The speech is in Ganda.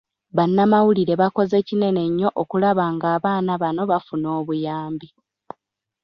Bannamawulire bakoze kinene nnyo okulaba ng'abaana bano bafuna obuyambi .